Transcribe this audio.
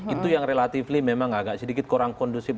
itu yang relatively memang agak sedikit kurang kondusif